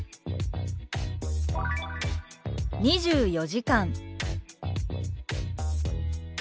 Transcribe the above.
「２４時間」。